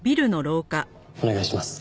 お願いします。